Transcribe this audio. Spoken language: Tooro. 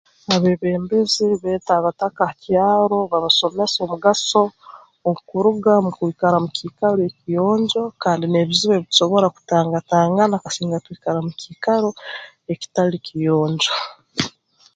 Abeebembezi beeta abataka ha kyaro babasomesa omugaso okuruga mu kwikara mu kiikaro ekiyonjo kandi n'ebizibu ebi tusobora kutangatangana kasinga twikara mu kiikaro ekitali kiyonjo